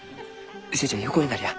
寿恵ちゃん横になりや。